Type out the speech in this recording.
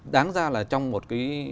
đáng ra là trong một cái